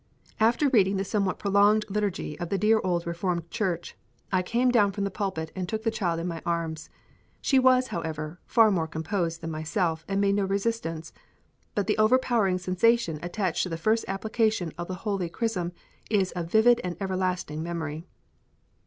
After reading the somewhat prolonged liturgy of the dear old Reformed Church, I came down from the pulpit and took the child in my arms. She was, however, far more composed than myself, and made no resistance; but the overpowering sensation attached to the first application of the holy chrism is a vivid and everlasting memory.